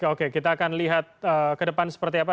oke kita akan lihat ke depan seperti apa